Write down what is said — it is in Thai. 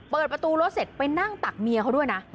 เปิดประตูรถเสร็จไปนั่งตักเมียเขาด้วยนะ